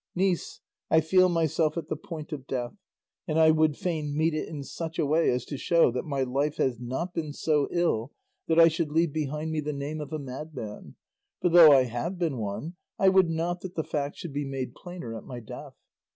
Niece, I feel myself at the point of death, and I would fain meet it in such a way as to show that my life has not been so ill that I should leave behind me the name of a madman; for though I have been one, I would not that the fact should be made plainer at my death.